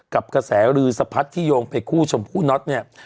กับกระแสลือสะพัดที่โยงไปคู่ชมพู่น็อตเนี่ย